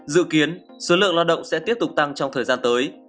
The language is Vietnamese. dự kiến số lượng lo động sẽ tiếp tục tăng trong thời gian tới